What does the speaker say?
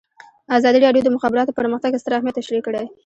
ازادي راډیو د د مخابراتو پرمختګ ستر اهميت تشریح کړی.